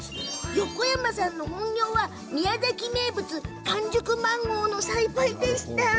横山さんの本業は宮崎名物の完熟マンゴーの栽培。